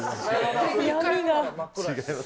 違います。